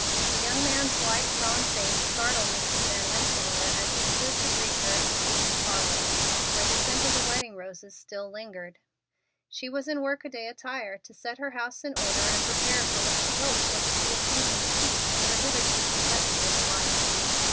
The young man's white, drawn face startled Mrs. Van Rensselaer as he stood to greet her in the gloomy parlor, where the scent of the wedding roses still lingered. She was in workaday attire, to set her house in order and prepare for what she hoped was to be a season of peace in her hitherto tempestuous life.